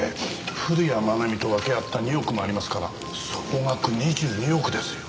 古谷愛美と分け合った２億もありますから総額２２億ですよ。